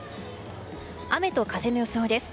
雨と風の予想です。